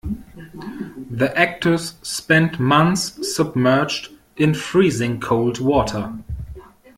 The actors spent months submerged in freezing cold water.